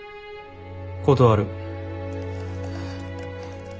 断る。